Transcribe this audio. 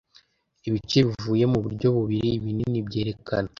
Ibice bivuye muburyo bubiri / ibinini byerekana